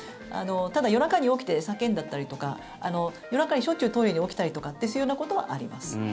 ただ、夜中に起きて叫んじゃったりとか夜中にしょっちゅうトイレに起きたりとかというようなことはあります。